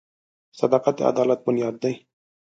• صداقت د عدالت بنیاد دی.